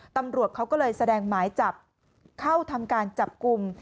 ตำรวจเขาก็เลยแสดงหมายจับเข้าทำการจับกลุ่ม